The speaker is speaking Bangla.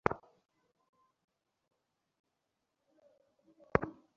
অন্যদিকে আইনশৃঙ্খলা রক্ষাকারী বাহিনীও দুএকটি ব্যতিক্রম ছাড়া সন্ত্রাসী-নাশকতাকারীদের ধরতে পারছে না।